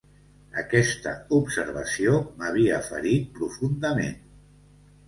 Aquesta observació m'havia ferit profundament